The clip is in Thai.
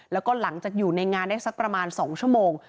แล้วก็หลังจากอยู่ในงานได้สักประมาณ๒ชั่วโมง